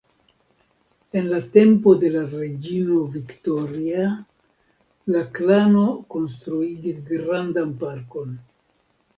En la tempo de la reĝino Viktoria la klano konstruigis grandan parkon.